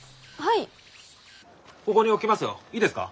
いいですか？